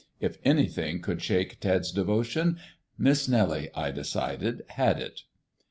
If anything could shake Ted's devotion, Miss Nellie, I decided, had it.